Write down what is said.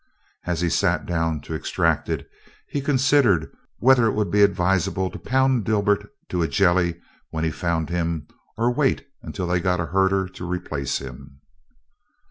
As he sat down to extract it, he considered whether it would be advisable to pound Dibert to a jelly when he found him or wait until they got a herder to replace him.